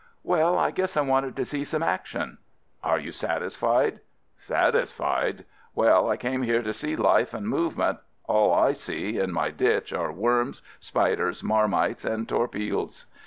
"Well, I guess I wanted to see some action." "Are you satisfied?" "Satisfied? Well, I came here to see life and movement — all I see in my ditch are worms, spiders, marmites, and torpilles!"